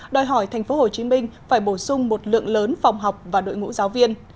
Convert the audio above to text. đòi hỏi tp hcm phải bổ sung một lượng lớn phòng học và đội ngũ giáo viên